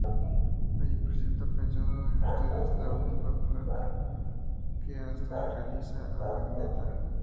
Allí, presenta "Pensando en ustedes", la última placa que Agostini realiza en Magenta.